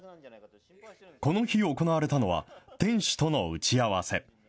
この日、行われたのは、店主との打ち合わせ。